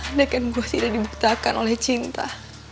andai kan gue tidak dibuktikan oleh cinta